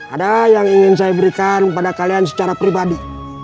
ada yang ingin saya berikan pada kalian secara pribadi